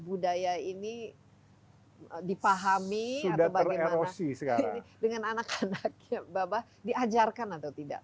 budaya ini dipahami sudah tererosi dengan anak anaknya babah diajarkan atau tidak